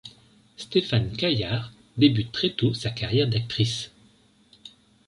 Stéphane Caillard débute très tôt sa carrière d'actrice.